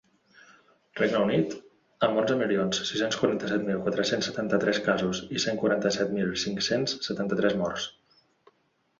Regne Unit, amb onze milions sis-cents quaranta-set mil quatre-cents setanta-tres casos i cent quaranta-set mil cinc-cents setanta-tres morts.